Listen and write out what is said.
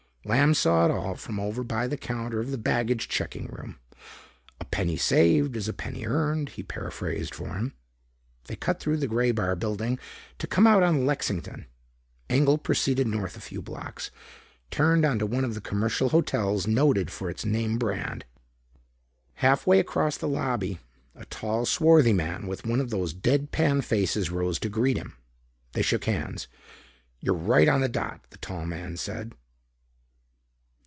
Lamb saw it all from over by the counter of the baggage checking room. "'A penny saved is a penny earned,'" he paraphrased for him. They cut through the Graybar Building to come out on Lexington. Engel proceeded north a few blocks, turned into one of the commercial hotels noted for its name band. Halfway across the lobby, a tall swarthy man with one of those deadpan faces rose to greet him. They shook hands. "You're right on the dot," the tall man said.